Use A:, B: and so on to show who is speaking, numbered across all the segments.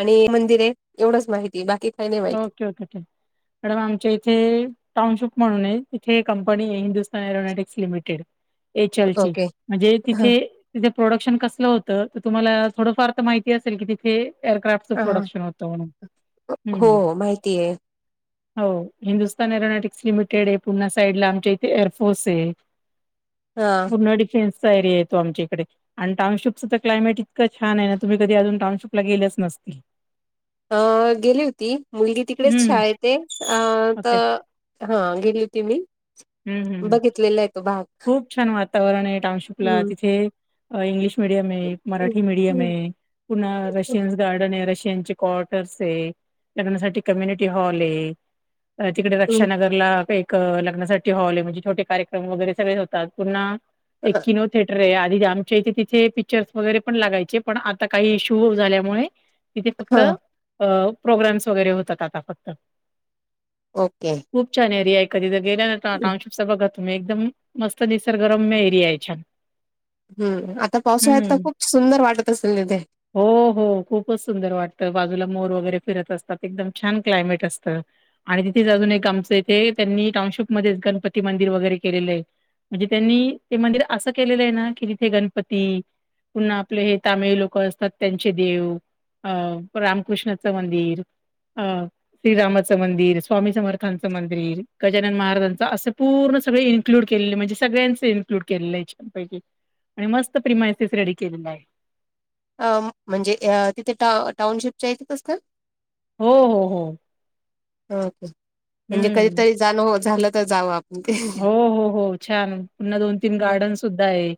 A: आणि मंदिर आहे एवढंच माहिती बाकी काही नाही माहिती.
B: ओके ओके क मॅडम आमच्या इथे टाऊनशिप म्हणून आहे इथे एक कंपनी आहे Hindustan aeronautics limited H L ची
A: ओके.
B: म्हणजे तिथे तिथे प्रोडक्शन कसलं होतं तर तुम्हाला थोडंफार तर माहिती असेल की तिथे एअरक्राफ्टचं
A: अ
B: प्रोडक्शन होत म्हणून
A: हो
B: हं,
A: माहिती हाय
B: हो हिंदुस्तान एरोनॉटिक्स लिमिटेड आहे पुूर्णा साइड ला आमच्या इथे एअरफोर्स आहे
A: हा
B: पूर्ण डफेन्सचा एरिया येतो आमच्या इकडे, आणि टाऊनशिपचं तर क्लायमेट इतक छान आहे ना तुम्ही कधी अजून टऊनशिपला गेलेच नसतील,
A: अ गेली होती मुलगी तिकडेच
B: हं,
A: शाळेत ये अ
B: ओके.
A: तर - हा गेली होती मी.
B: हम्म हम्म हम्म.
A: लेला आहे तो भाग
B: खूप छान वातावरण आहे टाऊनशिपला
A: हम्म.
B: तिथे अ इंग्लिश- मिडीयम आहे मराठी मिडीयम
A: हम्म
B: आहे पुन्हा रशियनस गार्डन आहेत रशियन चे कॉटर्स आहे लग्नासाठी कम्यिटी हॉल आहे तिकडे रक्षा नगर - ला एक लग्नासाठी हॉल आहे म्हणजे छोटे कार्यक्रम वैगेरे सगळेच होतात. पुन्हा एक किलो थिेटर आहे आधी आमच्या इथे तिथे पिक्चर्स वगैरे पण लागायचे पण आता काही इशू झाल्यामुळे तिथे फक्त
A: हा
B: अ प्रोग्राम्स वगैरे होतात आता फक्त.
A: ओके.
B: खूप छ एरिया कधी तर गेल्या टाउनशिपस बघा तुम्ही एकदम मस्त निसर्गरम म एरीया छान
A: हम्म आता पावसाळ्यात तर
B: हम्म.
A: खूप सुंदर वाटत असेल तिथे
B: हो हो खूपच सुंदर वाटतं. बाजूला मोर वगैरे फिरत असतात एकदम छान क्लायमेट असतं. आणि तिथेच अजून एक आमचं इथे त्यांनी टाऊनशिप मध्येच गणपती मंदिर वगैरे केलेलं आहे. म्हणजे त्यांनी ते मंदिर असं केलेलं आहे ना कि तिथे गणपती पुन्हा आपले हे तामिळ लोक असतात त्यांचे देव. अं रामकृष्णाचं मंदिर अ श्रीरामाचं मंदिर, स्वामी समर्थांचं मंदिर, गजानन महाराजांचं असे पूर्ण सगळे ए इंक्लूड केलेले म्हणजे सगळ्यांचे इन्क्लूड केलेले आहे छान पैकी आणि मस्त प्रिमायसेस रेडी केलेले आहेत.
A: अ म्हणजे तिथे टाऊ टाऊनशिपच्या इथेच असता.
B: हो हो हो.
A: ओके म्हणजे
B: हं.
A: कधीतरी जाण झालं तर जाऊ आप
B: हो हो हो छान पुन्हा दोन तीन गार्डन सुद्धा आहे.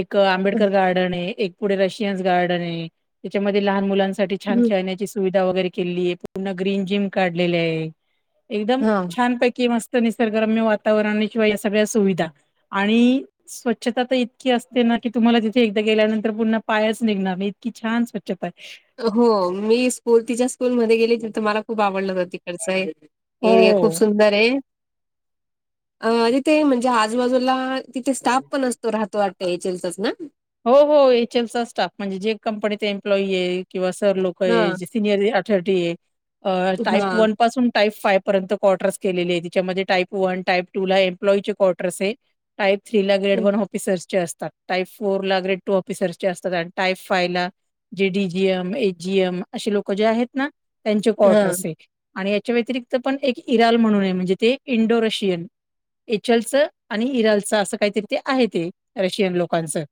B: एक आंबेडकर गार्डन आहे एक पुढे रशियन्स गार्डन आहे त्याच्यामध्ये लहान मुलांचं साठी छान खेळण्याची सुविधा वगैरे केलेली आहे पूर्ण ग्रीन जिम काढलेली आहे. एकदम
A: हा
B: छानपैकी मस्त निसर्गरम्य वातावरणाशिवाय या सगळ्या सुविधा आणि स्वच्छता तर इतकी असते ना की तुम्हाला तिथे एकदा गेल्यानंतर पुन्हा पायच निघणार नाही इतकी छान स्वच्छता
A: हो मी स्कूल तिच्या स्कूलमध्ये गेली तिथं मला खूप आवडलं हो तिकडचा ये एरिया खूप
B: हो.
A: सुंदर आहे अ तिथे म्हणजे आजूबाजूला तिथे स्टाफ पण असतो राहतो वाटतय त्यांचाच ना?
B: हो हो एच एल चा स्टाफ म्हणजे जे कंपनीचा एम्प्लॉई आहे किंवा सर लोक आहेत.
A: हां,
B: सिनयर अथोरिटी आहे टाईप
A: हां,
B: वन पासून टाईप फाईव पर्यंत कॉटर्स केलेले आहेत त्याच्यामध्ये टाईप वन टाईप टू ला एम्प्लॉईचे कॉटर्स ये टाईप थ्री ला गेड
A: हं,
B: वन ऑफिसर्स चे असतात टाईप फोर ला ग्रेड टू ऑफिसर्स चे असतात आणि टाईप फाईव्ह ला जे D G M, H G M अशी लोक जे आहेत ना त्यांचे
A: हां,
B: कॉटर्स आहेत. आणि याच्या व्यतिरिक्त पण एक इराल म्हणून आहे म्हणजे ते इंडो रशियन एचलचं आणि इरालचं असं काहीतरी ते आहे ते रशियन लोकांचं.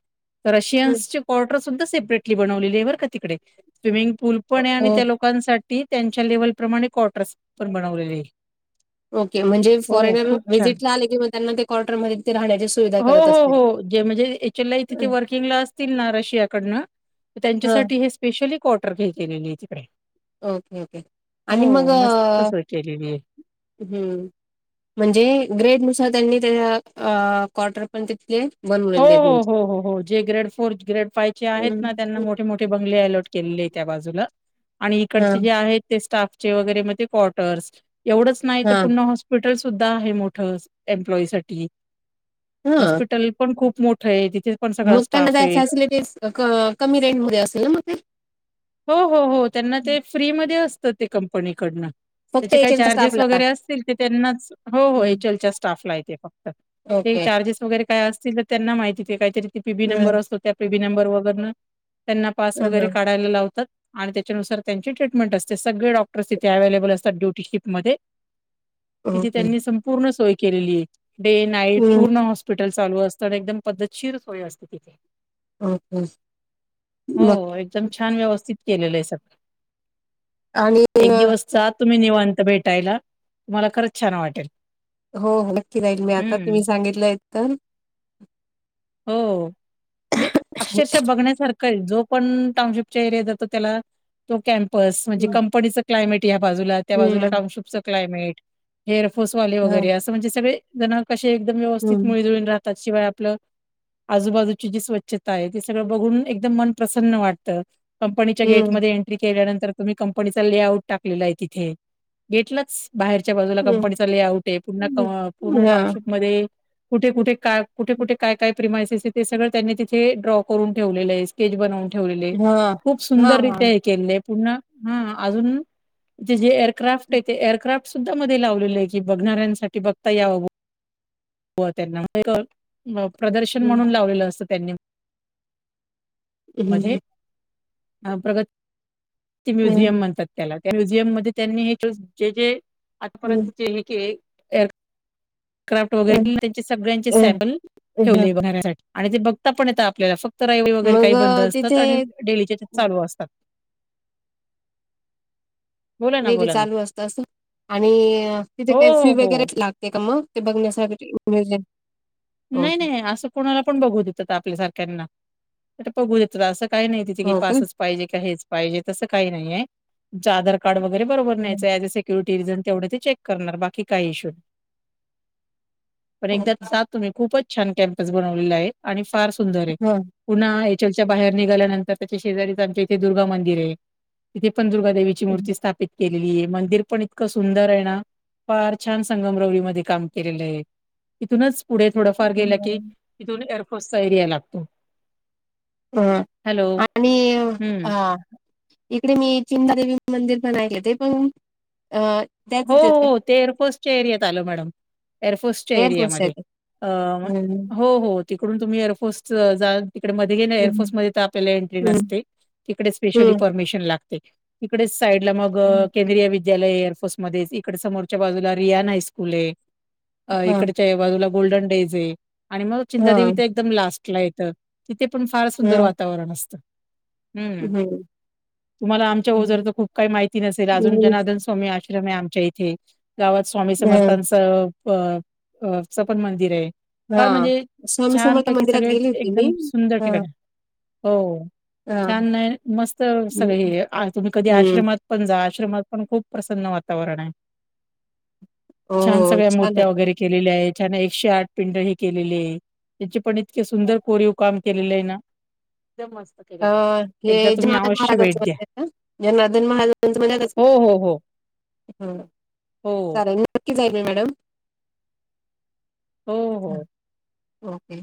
A: हं.
B: रशियन्सचे कॉटर सुद्धा सेपरेटली बनवलेले आहे बर का तिकडे स्विमिंग पूल पण आहे आणि
A: ओ
B: त्या लो लोकांसाठी त्यांच्या लेवल प्रमाणे कॉटर्स पण बनवलेले आहे.
A: ओके म्हणजे
B: हो,
A: फॉरेनर
B: खूप छान.
A: व्हिजिट ला आले कि त्यांना ते क्वार्टरमध्ये राहण्याची सुविधा
B: हो,
A: करत
B: हो,
A: असतील.
B: हो. म्हणजे एच एल
A: हं,
B: वर्किंग ला असतील ना रशिया कढण तर
A: हां,
B: त्यांच्यासाठी हे स्पेशली कॉटर घ्यायची [unintelligible] तिकडे.
A: ओके ओके
B: हो,
A: आणि मग
B: मस्त सोय केलेली आहे.
A: हम्म. म्हणजे ग्रेड नुसार त्यांनी त्या आ कॉटर पण तिथले
B: हो
A: बनवलेले आहेत
B: हो
A: म्हणजे.
B: हो हो हो जे ग्रेड फोर ग्रेड फाईव चे आहेत
A: हं,
B: ना त्यांना
A: हं.
B: मोठे मोठे ब अलट के त्या बाजूला आणि
A: हां,
B: इकडचे जे आहेत ते स्टाफ चे वगैरे म्हणजे कॉटर्स एवढंच नाही तर
A: हां.
B: पूर्ण हॉर्स हॉस्पिटल सुद्धा आहे मोठं एम्प्लॉईसाठी
A: हा
B: हॉस्पिटल पण खूप मोठं आहे तिथे पण सगळा
A: मग त्यांना
B: स्टाफ
A: त्या
B: आहे
A: फॅसिलिटीज क कमी रेंटमध्ये असेल ना मग ते.
B: हो हो हो त्यांना ते फ्रीमध्ये असतं ते कंपनीकडनं.
A: फक्त
B: त्याचे काही
A: एजंट
B: चार्जेस
A: स्टाफला
B: वगैरे असतील ते त्यांनाच हो हो
A: हं.
B: एच एल च्या स्टाफला ये ते फक्त. ते
A: ओके
B: चार्जेस वगैरे काय असतील तर त्यांना माहिती काहीतरी पी बी
A: हं,
B: नंबर असतात त्या पी बी नंबर वगैर त्यांना पास वगैरे
A: हं.
B: काढायला लावतात. आणि त्याच्यानुसार त्यांची ट्रीटमेंट असते सगळे डॉक्टर्स इथे अवेलेबल असतात ड्युटी शिपमध्ये. तिथे
A: ओके
B: त्यांनी संपूर्ण सोय केलेली आहे. डे नाईट
A: हं.
B: पूर्ण हॉस्पिटल चालू अस तर एकदम पद्धतशिर सोय असते तिथे.
A: ओके मग
B: हो एकदम- छान व्यवस्थित केलेलं आहे सगळ.
A: आणि
B: एक दिवस जा तुम्ही निवांत भेटायला तुम्हाला खरंच छान वाटेल.
A: हो हो नक्की राहील मी आता
B: हम्म
A: तुम्ही सांगितलंय तर
B: हो म्हणजे अक्षरशः बघण्यासारखं ये जो पण टाशिपच्या एरिया जातो त्याला तो कप म्हणजे
A: हम्म
B: कंपनी च क्लायमेट ह या बाजूला त्या बाजूला टाऊनशिपचं क्लायमेट हेअरफोसवाले
A: हा
B: वगैरे असं म्हणजे सगळे जण कसे एकदम व्यवस्थित
A: हम्म
B: मुळीजुळीन राहतात शिवाय आपलं आजूबाजूची जी स्वच्छता आहे ती सगळं बघून एकदम मन प्रसन्न वाटतं. कंपनीच्या
A: हम्म
B: गेटमध्येध्ये एंट्री केल्यानंतर तुम्ही कंपनीचा ले आउट टाकलेला आहे तिथे गेटलाच बाहेरच्या बाजूला कंपनीचा ले आउट आहे पु्हा पूर्ण
A: हा
B: टाउनशिपमध्ये कुठे कुठे काय कुठे कुठे काय काय प्रिमासेस आहे ते सगळं त्यांनी तिथे ड्रॉ करून ठेवलेलं आहे. ेज बनवून ठेवलेले
A: हा
B: खूप
A: हा
B: सुंदर
A: हा
B: रित्या हे केले पनण हा अजून जे एअरक्राफ्ट आहे ते एअरक्राफ्ट सुद्धा मध्ये लावलेले आहे की बघणाऱ्यांसाठी बघता या हो त्यांना प्रदर्शन म्हणून लावलेलं असतं त्यांनी मध्ये प्रगत म्युझियम म्हणतात. त्याला त्या म्युझियम मध्ये त्यांनी हे जे जे आतापर्यंत जे हे क्राफ्ट वगैरे त्यां सगळ्यांचे सॅम्पल ठेवलेसाठी आणि ते बघता पण येत आपल्याला फक्त तरऐवेळी वगैरे
A: मग
B: काही बंद
A: अ,
B: असतात
A: तिथे
B: आणि डेलीचे त्या चालू असतात. बोला ना,
A: डेली
B: बोला ना.
A: चालू असतं अस आणि तिथे
B: हो,
A: काही फी
B: हो, हो.
A: वगैरेच लागत. ते का मग ते बघण्यास ब
B: नाही नाही असं कोणाला पण बघू देतात आपल्या सारख्यांना बघू देतात असं. काही नाही तिथे की
A: हो का?
B: पासच पाहिजे का हेच पाहिजे तसं काही नाहीय. आधार कार्ड वगैरे बरोबर
A: हं,
B: न्याचं आहे ज चेक का इ [inaudible] तुम्ही खूपच छान कॅम्पस बनवलेला आहे आणि फार सुंदर आहे.
A: हं.
B: पुन्हा एच एल च्या बाहेर निघाल्यानंतर त्याच्या शेजारीच आमच्या इथे दुर्गा मंदिर आहे तिथे पण दुर्गा देवी ची
A: हां
B: मूर्ती स्थापीत केलेली आहे मंदिर पण इतकं सुंदर आहे ना फार छान संगमरवरी मध्ये काम केलेलं आहे. इथूनच पुढे थोडंफार गेला की इथून एअरफोर्सचा एरिया लागतो.
A: ह
B: हॅलो
A: आणि
B: हम्म.
A: हा इकडे मी चिमदेवी मंदिर पणऐले ते पण अ त्याच
B: हो
A: आहेत का
B: हो ते एअरपोस्टच्या एरियात आल मॅडम एअरफोर्सच्या
A: एअरफोर्स
B: एरियामध्ये
A: आहेत हां हां
B: हो हो तिकडून तुम्ही एअरफोर्सट जा तिकडे मध्येे एअरफोर्स
A: हां
B: मध्ये आपल्याला एंट्री
A: हं,
B: नसते तिकडे स्पेशली
A: हं,
B: परमिशन लागते. तिकडेच साईड ला मग केंद्रीय विद्यालय एअरफोर्स इ स इ [inaudible] बाजूला गोल्डन डे जे आणि मग चिंददेवी तर एकदम लास्ट ला येतं. तिथे पण फार सुंदर वातावरण असतं. हम्
A: हं,
B: तुम्हाला आमच्या
A: हं,
B: ओझर तर खूप काही माहिती नसेल अजून जनार्दन स्वामी ्रम आमच्या इथे गावात स्वामी समर्थांच च पण मंदिर आहे. फार
A: हां
B: म्हणजे
A: स्वामी
B: छान
A: समर्थ
B: पैकी
A: मंदिरात
B: सगळे
A: गेली होती मी
B: एकदम सुंदर
A: हां
B: ठिकाण हो
A: हां
B: छान नाही मस्त
A: हं,
B: सगळे तुम्ही कधी
A: हं.
B: आश्रमात पंज आश्रमात पण खूप प्रसन्न वातावरण आहे.
A: हो
B: छान सगळ्या
A: छान
B: मूर्त्या
A: होत.
B: वगैरे केलेले आहे छान एकशे आठ पिंड ही केलेली आहे त्याची पण इतके सुंदर कोरीव काम केलेले आहे ना एकदम मस्त
A: अ
B: केलेलं आहे.
A: हे
B: एकदा तुम्ही
A: जनार्दन
B: अवश्य भेट
A: महारजांचं
B: द्या.
A: म्हणज ना जननादन महाराजांचं म्हण
B: हो हो हो.
A: हम
B: हो
A: सले मॅडम.
B: हो
A: हं,
B: हो्
A: ओके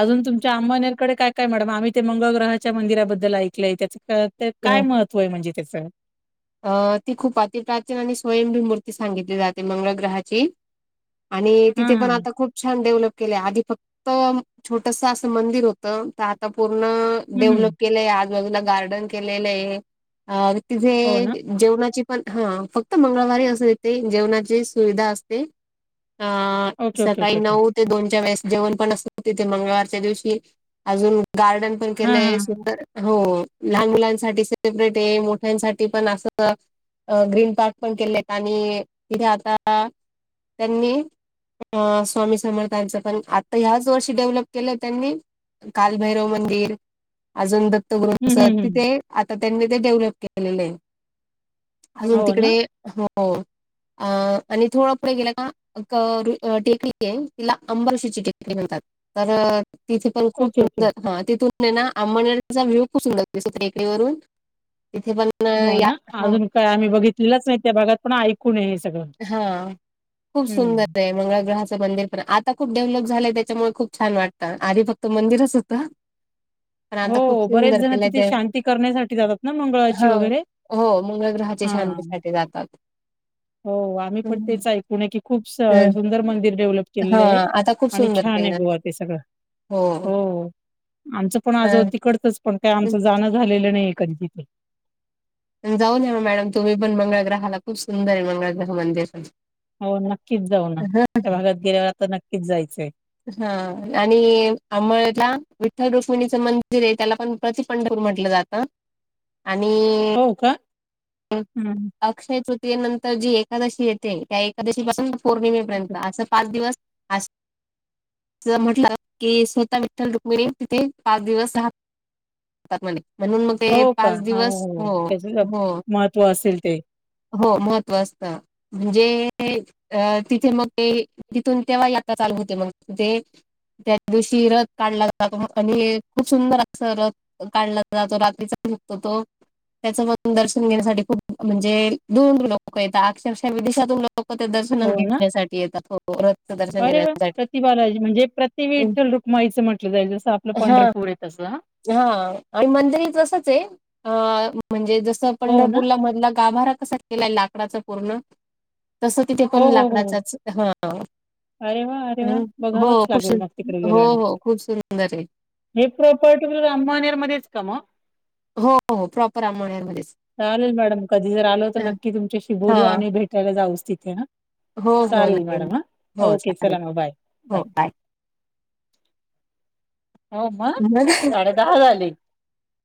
B: अजून तुमच्या आंबानेरकडे काय काय मॅडम आम्ही ते मंगळग्रहाच्या मंदिराबद्दल ऐकलंय त्या तर काय महत्व आहे म्हणजे त्याचं
A: अ ती खूप अतिप्राचीन आणि स्वयंभी मूर्ती सांगितली जाते मंगळ ग्रहाची आणि
B: हां,
A: तिथे पण
B: हां.
A: आता खूप छान डेव्हलप केले आधी फक्त छोटस असं मंदिर होत तर आता पूर्ण
B: हं, हं.
A: डेव्हलप केलंय आजबाजूला गार्डन केलेलं आहे अ
B: हो
A: तिथे
B: ना?
A: जेवणाची पण हा फक्त मंगळवारी असं येते जेवणाची सुविधा असते अ
B: ओके, ओके,
A: सकाळी
B: ओके, ओके.
A: नऊ. ते दोनच्या वेळेस जेण पण असत तिथे मंगळवारच्या दिवशी अजून गार्डन.
B: हां, हां. हां.
A: लान मुलां सेरे मोठसाठी पण अस. अ ग्रीन पार्क पण केले आणि तिथे आता. त्यांनी अ स्वामी समर्थांचं पण आता ह्याच वर्षी डेव्हलप केलं त्यांनी. कालभैरव मंदिर. अजून दत्तग्रह
B: हं,
A: अस
B: हं, हं.
A: तिथे आता त्यांनी ते डेव्हलप केलेले आहे. अजून
B: हो ना?
A: तिकडे हो अ आणि थोडं पुढे गेलं का टेकडी आहे तिला अंबाशीची टेकडी म्हणतात. तर तिथे पण खूप
B: ओके, ओके.
A: सुंदर हा तिथून आंमडचा व्हू खूप सुंदर दिसते टेकडीवरून तिथे पण अ,
B: हो
A: या
B: ना
A: हो.
B: अजून काय आम्ही बघितलेलंच नाही त्या भागात पण ऐकूूनय हे सगळं.
A: हा खूप सुंदर
B: हं.
A: आहे मंगळ ग्रहाचं मंदिर. पण आता खूप डेव्हलप झालंय त्याच्यामुळे खूप छान वाटतं आधी फक्त मंदिरच होतं. पण आता
B: हो
A: खूप
B: बरेच
A: सुंदर
B: जण
A: केलंय
B: तिथे
A: ते
B: शांती करण्यासाठी जातात ना मंगळाची
A: हां.
B: वगैरे.
A: हो मंगळ ग्रहाची
B: हां.
A: शांतीसाठीठी जातात.
B: हो आम्ही
A: हं,
B: पण तेच ऐकूूनय की खूप
A: हं.
B: सुंदर मंदिर डेव्हलप केलेलं
A: हां,
B: आहे
A: आता खूप
B: आणि
A: सुंदर
B: छान आहे
A: केलं.
B: बोवा ते सगळं हो आमचं पण आजो
A: हं.
B: तिकडतच. पण काय आमचं जाणं झालेलं नाही आहे कधी तिथं.
A: जाऊन न मग मॅडम तुम्ही पण मंगळग्रहाला खूप सुंदर आहे मंगळग्रह मंदिर पण.
B: हो नक्कीच जाऊ ना त्या भागात गेल्यावर आता नक्कीच जायचंय.
A: हा आणि आमळला विठ्ठल रुशमिणीचं मंदिर आहे त्याला पण प्रति पंढपूर म्हटलं जातं ह आणि.
B: हो का? हं
A: अक्षय तृतीयेनंतर जी एकादशी येते. त्या एकादशी पासून
B: ओके.
A: पौर्णिमेपर्यंत असं पाच दिवस ज म्हंटलं की स््ता विठ्ठल रुक्मिणी तिथे पाच दिवस रा म्हणून मग ते
B: हो का?
A: पाच
B: हो
A: दिवस हो
B: त्याच
A: हो.
B: महत्त्व असेल ते
A: हो महत्वाचतं. म्हणजे अ तिथे मग ते तिथून तेव्हा यात्रा चालू होते मग तेे. त्या दिवशी रथ काढला जातो आणि खूप सुंदर असत रथ. काढला जातो रात्रीचा झकतो तो त्याच मण दर्श पूजेसाठी खूप खूप म्हणजे दुरून दुरून लोक येतात अक्षरशः विदेशातून लोक. लोक ते दर्शन
B: हो ना?
A: घेण्यासाठी येतात वथच दर्शन
B: अरे वा!
A: घेण्यासाठी.
B: माैचं म्हटलं जाईल जसं आपलं पंढरपूर आहे तसं.
A: हा आणि मंदिर तसंच आहे म्हणजे जस.
B: हो ना?
A: पंढरपूरला मधला गाभारा कसा केलाय लाकडाच पूर्ण तस. तिथे
B: हो
A: पण
B: हो हो हो
A: लाकडाचाच हा.
B: अरे वा! अरे वा!
A: हम् हो
B: बघावंच लागेल मग तिकडे
A: खूप हो हो
B: गेल्यानंतर.
A: खूप सुंदर आहे
B: हे प्रॉपर्टी अंबानेर मध्ये च का म.
A: हो हो प्रॉपर आंबवण्यामध्येच
B: चालेल मॅडम कधी जर आलो तर नक्की तुमच्याशी
A: हा
B: बोलू आणि भेट. ला जाऊच तिथे ह
A: हो हो
B: चालेल
A: नक्की
B: मडॅम हा.
A: हो
B: ओके.
A: चालेल
B: चला बाय
A: हो
B: बाय. हो म,
A: बाय
B: साडे दहा झाले.